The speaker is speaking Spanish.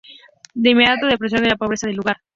De inmediato le sorprendió la pobreza del lugar.